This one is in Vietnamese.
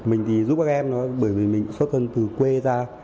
mình thì giúp các em bởi vì mình xuất thân từ quê ra